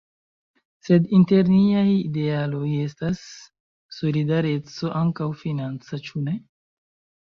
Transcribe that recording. Sed inter niaj idealoj estas solidareco, ankaŭ financa, ĉu ne?